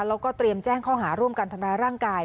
แล้วก็เตรียมแจ้งข้อหาร่วมกันทำร้ายร่างกาย